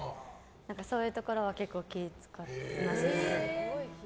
そういうところは結構気を使ってますね。